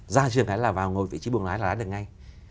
ra trường là vào vị trí buồng lái là đạt được ngay